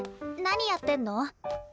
何やってんの？